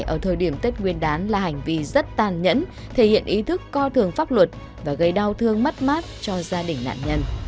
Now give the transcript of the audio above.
ở thời điểm tết nguyên đán là hành vi rất tàn nhẫn thể hiện ý thức coi thường pháp luật và gây đau thương mất mát cho gia đình nạn nhân